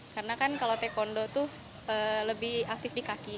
karena kan kalau taekwondo tuh lebih aktif di kaki